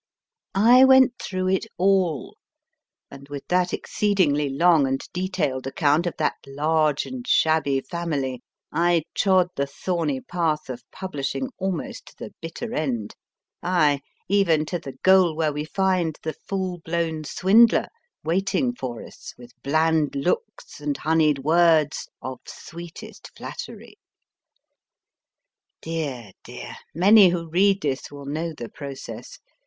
I went through it all, and with that exceedingly long and detailed account of that large and shabby family, I trod the thorny path of publishing almost to the bitter end ay, even to the goal where we find the full blown swindler waiting for us, with bland looks and honeyed words of sweetest flattery. Dear, dear ! many who read this will know the process.